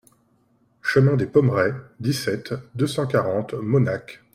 Chemin des Pommerais, dix-sept, deux cent quarante Mosnac